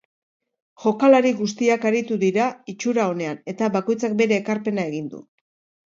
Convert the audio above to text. Jokalari guztiak aritu dira itxura onean, eta bakoitzak bere ekarpena egin du.